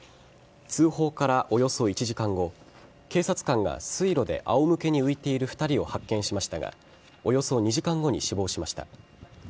通報からおよそ１時間後警察官が水路で仰向けに浮いている２人を発見しましたがおよそ２時間後に死亡しました。